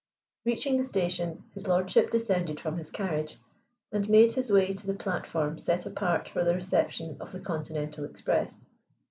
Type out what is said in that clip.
Reaching the station, his lordship descended from his carriage, and made his way to the platform set apart for the reception of the Continental express.